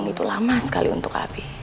itu lama sekali untuk ap